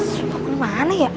sumpah mana ya